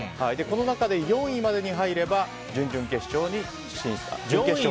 この中で４位までに入れば準決勝に進出と。